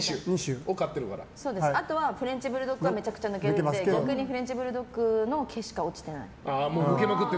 あとはフレンチブルドッグはめちゃめちゃ抜けるので逆にフレンチブルドッグの毛しか落ちてない。